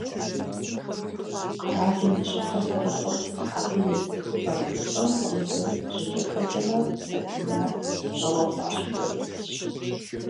Къэралым и щӀыхьыр зэрыхъур абы ис цӀыхубэм, псом хуэмыдэу, жьыкӏэфэкӏэмрэ сабиймрэ пщӀэуэ хуащӀым хуэдизщ.